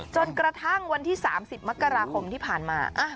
จนกระทั่งวันที่๓๐มกราคมที่ผ่านมา